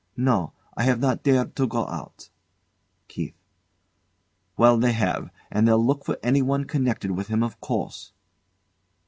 No; I have not dared to go out. KEITH: Well, they have; and they'll look for anyone connected with him, of course.